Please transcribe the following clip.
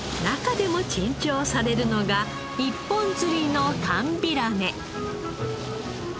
中でも珍重されるのが一本釣りの寒ビラメ。